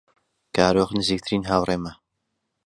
کارۆخ نزیکترین هاوڕێمە.